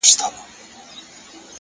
د خدای لپاره په ژړه نه کيږي ““